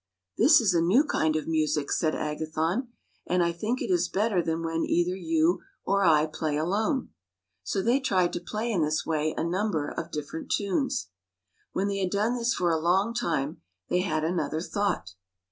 " This is a new kind of music," said Agathon, "and I think it is better than when either you or I play alone." So they tried to play in this way a number of different tunes. When they had done this for a time they had another thought.